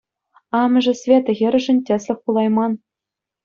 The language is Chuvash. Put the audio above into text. Амӑшӗ Света хӗрӗшӗн тӗслӗх пулайман.